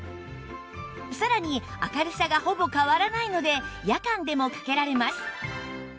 さらに明るさがほぼ変わらないので夜間でもかけられます